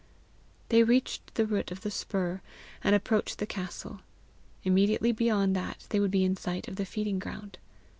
They reached the root of the spur, and approached the castle; immediately beyond that, they would be in sight of the feeding ground.